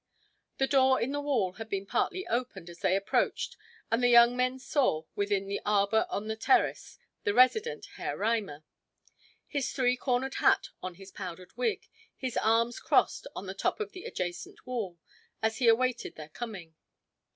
The door in the wall had been partly opened as they approached and the young men saw, within the arbor on the terrace, the resident, Herr Reimer his three cornered hat on his powdered wig, his arms crossed on the top of the adjacent wall, as he awaited their coming.